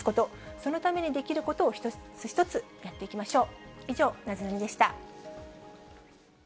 そのためにできることを一つ一つやっていきましょう。